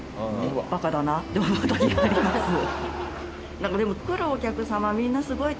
なんかでも。